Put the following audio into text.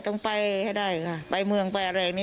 ต้องไปให้ได้ค่ะไปเมืองไปอะไรนี้